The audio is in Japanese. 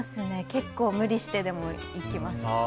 結構、無理してでも行きます。